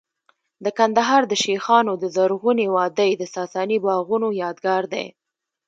د کندهار د شیخانو د زرغونې وادۍ د ساساني باغونو یادګار دی